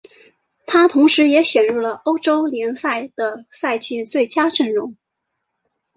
他同时也入选了欧洲联赛的赛季最佳阵容。